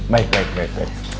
baik baik baik baik